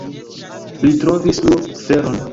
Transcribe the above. Li trovis nur feron.